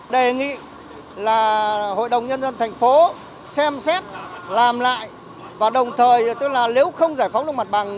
đề nghị là hội đồng nhân dân thành phố xem xét làm lại và đồng thời tức là nếu không giải phóng được mặt bằng